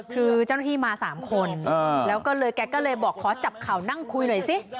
คือเจ้าหน้าที่มา๓คนแล้วก็เลยแกก็เลยบอกขอจับเข่านั่งคุยหน่อยสิ